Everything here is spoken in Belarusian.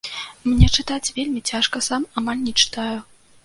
Мне чытаць вельмі цяжка, сам амаль не чытаю.